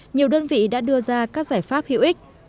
nhiều đơn vị đã đưa ra các giải pháp hữu ích